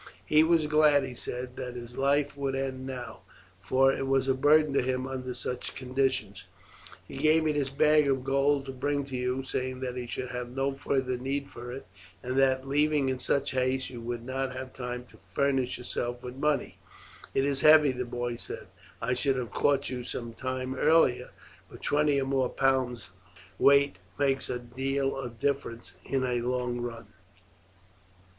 He was glad, he said, that his life would end now, for it was a burden to him under such conditions. He gave me this bag of gold to bring to you, saying that he should have no farther need for it, and that, leaving in such haste, you would not have time to furnish yourself with money. It is heavy," the boy said. "I should have caught you some time earlier, but twenty or more pounds' weight makes a deal of difference in a long run."